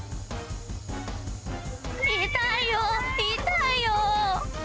痛いよー、痛いよー。